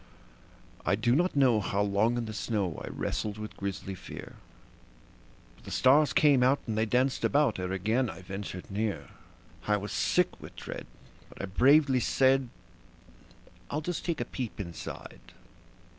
I do not know how long in the snow I wrestled with grisly fear; But the stars came out and they danced about ere again I ventured near; I was sick with dread, but I bravely said: "I'll just take a peep inside.